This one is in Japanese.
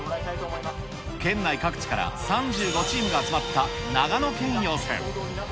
県内各地から３５チームが集まった長野県予選。